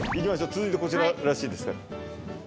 続いてこちららしいですから。